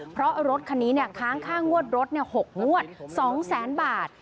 เพราะรถคันนี้ค้างค่างวดรถ๖งวด๒แสนบาท